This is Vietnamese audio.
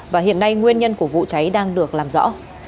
và hiện nay nguyên nhân của vụ cháy đang được làm rõ